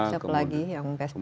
siapa lagi yang best practices